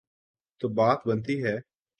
تو بات بنتی ہے۔